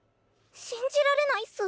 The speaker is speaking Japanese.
信じられないっす。